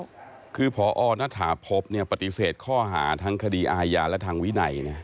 ครับคือพอนธาพบปฏิเสธข้อหาทั้งคดีอายาและทางวินัยเนี่ย